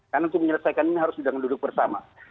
karena untuk menyelesaikan ini harus duduk bersama